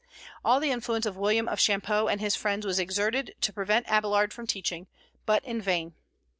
All the influence of William of Champeaux and his friends was exerted to prevent Abélard from teaching, but in vain.